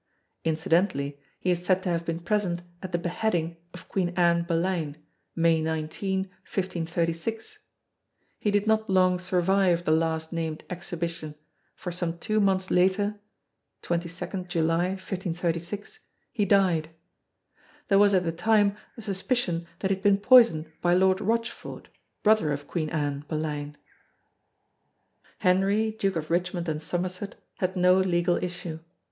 Incidentally he is said to have been present at the beheading of Queen Anne (Boleyn), May 19, 1536. He did not long survive the last named exhibition, for some two months later 22 July, 1536, he died. There was at the time a suspicion that he had been poisoned by Lord Rochford, brother of Queen Anne (Boleyn). Henry Duke of Richmond and Somerset had no legal issue.